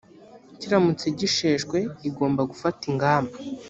kiramutse gisheshwe igomba gufata ingamba